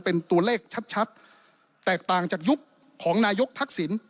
เป็นตัวเลขชัดแตกต่างจากยุคของนายกทักษิณ